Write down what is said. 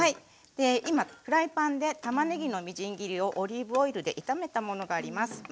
今フライパンでたまねぎのみじん切りをオリーブオイルで炒めたものがあります。